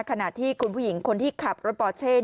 ขณะที่คุณผู้หญิงคนที่ขับรถปอเช่